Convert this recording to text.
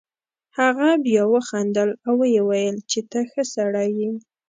هغه بیا وخندل او ویې ویل چې ته ښه سړی یې.